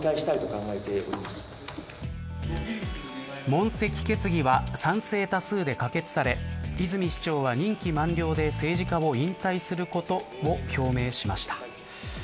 問責決議は賛成多数で可決され泉市長は、任期満了で政治家を引退することを表明しました。